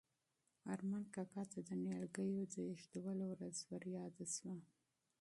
ارمان کاکا ته د نیالګیو د ایښودلو ورځ وریاده شوه.